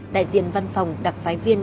đại diện văn phòng đặc phái viên